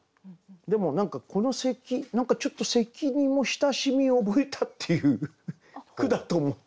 でも何かこの咳何かちょっと咳にも親しみを覚えたっていう句だと思って。